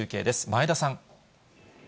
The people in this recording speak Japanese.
前田さん。